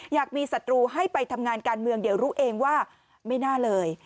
อยากมีศัตรูให้ไปทำงานการเมืองเดี๋ยวรู้เองว่าไม่น่าเลย